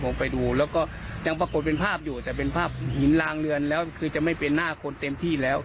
ผมไปดูแล้วก็ยังปรากฏเป็นภาพอยู่แต่เป็นภาพหินลางเรือนแล้วคือจะไม่เป็นหน้าคนเต็มที่แล้ว